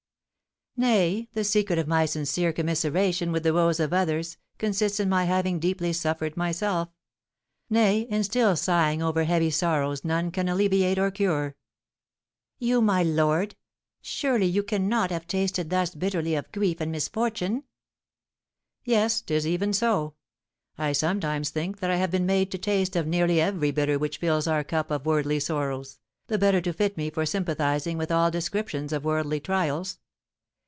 "Nay, the secret of my sincere commiseration with the woes of others consists in my having deeply suffered myself, nay, in still sighing over heavy sorrows none can alleviate or cure." "You, my lord! Surely you cannot have tasted thus bitterly of grief and misfortune?" "Yes, 'tis even so. I sometimes think that I have been made to taste of nearly every bitter which fills our cup of worldly sorrows, the better to fit me for sympathising with all descriptions of worldly trials.